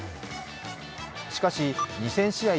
しかし、２０００試合